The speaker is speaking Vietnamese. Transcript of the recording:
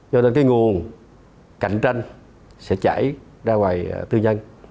do đó cái nguồn cạnh tranh sẽ chảy ra ngoài tư nhân